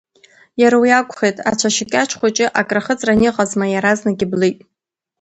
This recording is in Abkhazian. Иара уи акәхеит, ацәашь кьаҿ хәҷы акрахыҵран иҟазма, иаразнак иблит.